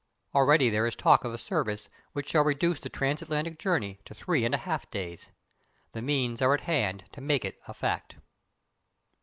Already there is talk of a service which shall reduce the trans Atlantic journey to three and a half days. The means are at hand to make it a fact.